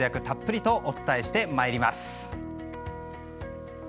たっぷりとお伝えしてまいります。